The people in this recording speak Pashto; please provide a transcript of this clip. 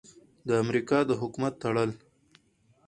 د امریکا د حکومت تړل: